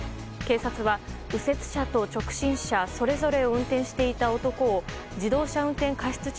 警察は右折車と直進車それぞれを運転していた男を自動車過失